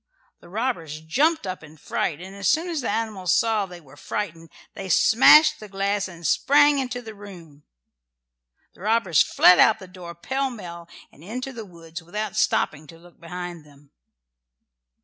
The robbers jumped up in a fright, and as soon as the animals saw they were frightened they smashed the glass and sprang into the room. The robbers fled out of the door pell mell and into the woods without stopping to look behind them.